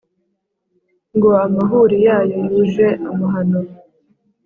Ngo amahuri yayo yuje amahano